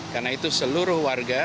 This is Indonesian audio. karena itu seluruh warga